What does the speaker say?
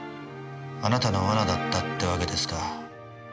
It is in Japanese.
あなたの罠だったってわけですか。